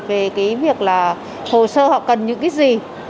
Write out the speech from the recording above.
về cái việc là hồ sơ họ cần những cái gì